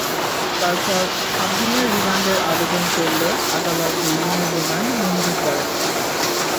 তারপর সাত দিনের রিমান্ডের আবেদন করলে আদালত দুই দিনের রিমান্ড মঞ্জুর করেন।